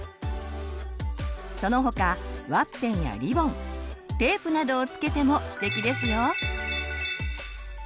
その他ワッペンやリボンテープなどを付けてもステキですよ！